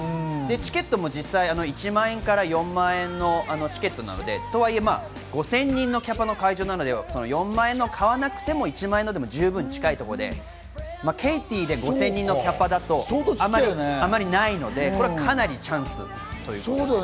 チケットも実際、１万円から４万円のチケットなので、とはいえ５０００人のキャパの会場なので４万円のを買わなくても１万円のでも十分近いところでケイティで５０００人のキャパだとあまりないので、かなりチャンスです。